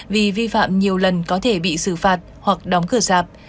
vì vi phạm nhiều lần có thể bị xử phạt hoặc đóng cửa sạp